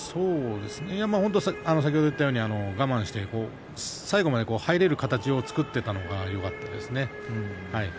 先ほど言ったように我慢して最後まで入れる形を作っていたのがよかったですね。